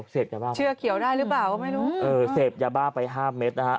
เสพหญ้าบ้าไป๕เมตร